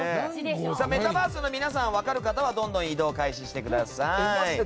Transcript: メタバースの皆さん分かる方はどんどん移動を開始してください。